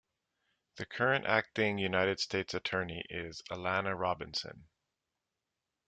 The current Acting United States Attorney is Alana Robinson.